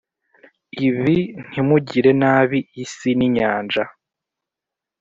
Ibh ntimugirire nabi isi n inyanja